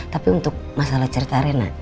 tapi untuk masalah cerita arena